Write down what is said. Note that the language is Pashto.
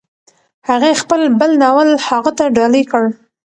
هغې خپل بل ناول هغه ته ډالۍ کړ.